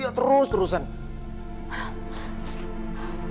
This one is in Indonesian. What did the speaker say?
aku nggak usah terlalu mikirin masalah itu